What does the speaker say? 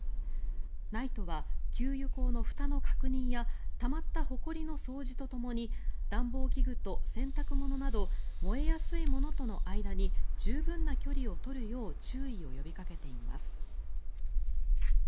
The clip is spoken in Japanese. ＮＩＴＥは給油口のふたの確認やたまったほこりの掃除とともに暖房器具と洗濯物など燃えやすいものとの間に十分な距離を取るよう注意を呼びかけています。